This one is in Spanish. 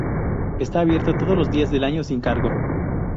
Está abierto todos los días del año sin cargo.